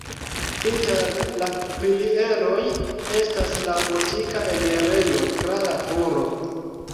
Inter la pilieroj estas la gotika enirejo tra la turo.